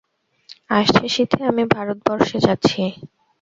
আসছে শীতে আমি ভারতবর্ষে যাচ্ছি।